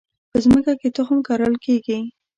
په مځکه کې تخم کرل کیږي